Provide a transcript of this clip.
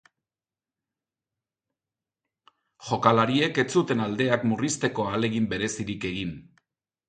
Jokalariek ez zuten aldeak murrizteko ahalegin berezirik egin.